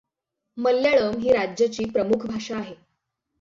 मल्याळम ही राज्याची प्रमुख भाषा आहे.